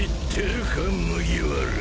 麦わら。